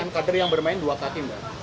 dengan kader yang bermain dua kaki enggak